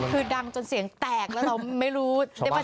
คือดังจนเสียงแตกแล้วเราไม่รู้ได้ป่